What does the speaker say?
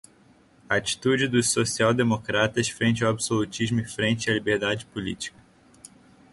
a atitude dos social-democratas frente ao absolutismo e frente à liberdade política